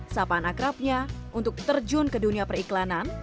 sapa anak rapnya untuk terjun ke dunia periklanan